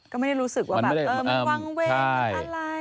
ก็ไม่ได้รู้สึกว่ามันวางเวทอะไร